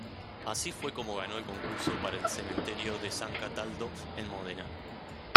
Así fue como ganó el concurso para el cementerio de San Cataldo en Módena.